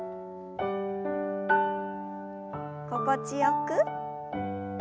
心地よく。